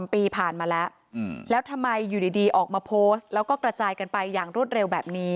ปีผ่านมาแล้วแล้วทำไมอยู่ดีออกมาโพสต์แล้วก็กระจายกันไปอย่างรวดเร็วแบบนี้